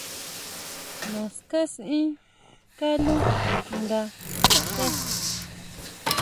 Naská sʼaen kaló nga té.